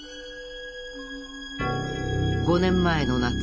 ５年前の夏